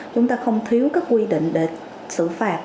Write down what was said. chúng ta không thiếu các quy định để xử phạt